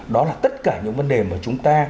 đó là tất cả những vấn đề mà chúng ta